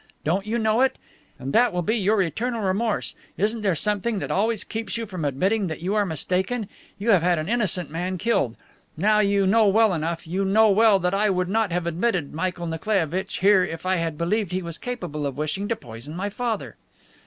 Don't you know it? And that will be your eternal remorse! Isn't there something that always keeps you from admitting that you are mistaken? You have had an innocent man killed. Now, you know well enough, you know well that I would not have admitted Michael Nikolaievitch here if I had believed he was capable of wishing to poison my father."